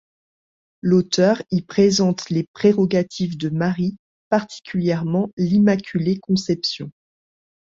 L'auteur y présente les prérogatives de Marie, particulièrement l'Immaculée Conception.